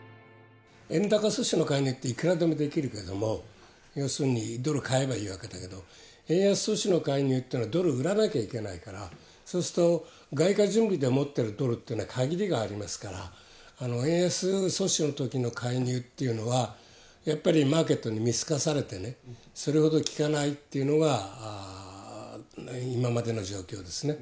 円高阻止の介入っていくらでもできるけれども、要するにドル買えばいいわけだけど、円安阻止の介入っていうのはドル売らなきゃいけないから、そうすると、外貨準備で持ってるドルっていうのは限りがありますから、円安阻止のときの介入っていうのは、やっぱりマーケットに見透かされてね、それほど利かないっていうのが今までの状況ですね。